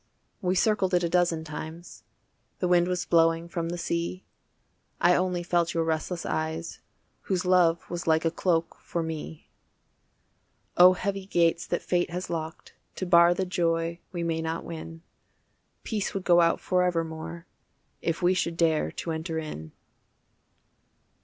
We circled it a dozen times, The wind was blowing from the sea, I only felt your restless eyes Whose love was like a cloak for me. Oh heavy gates that fate has locked To bar the joy we may not win, Peace would go out forevermore If we should dare to enter in.